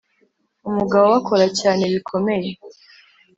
Umugabo we akora cyane bikomeye.